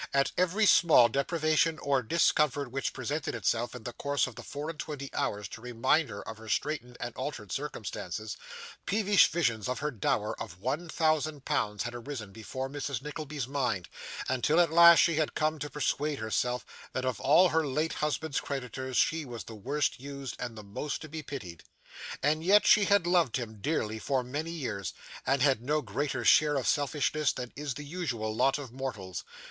At every small deprivation or discomfort which presented itself in the course of the four and twenty hours to remind her of her straitened and altered circumstances, peevish visions of her dower of one thousand pounds had arisen before Mrs. Nickleby's mind, until, at last, she had come to persuade herself that of all her late husband's creditors she was the worst used and the most to be pitied. And yet, she had loved him dearly for many years, and had no greater share of selfishness than is the usual lot of mortals.